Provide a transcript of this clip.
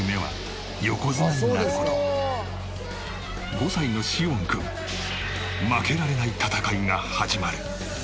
５歳のしおん君負けられない戦いが始まる。